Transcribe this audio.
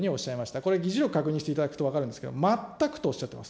これ、議事録確認していただくと分かるんですけど、全くとおっしゃっています。